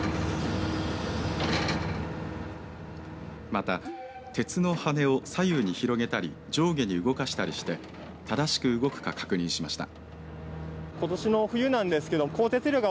また鉄の羽根を左右に広げたり上下に動かしたりしてただしく動くか確認しました。